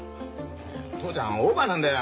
父ちゃんはオーバーなんだよ。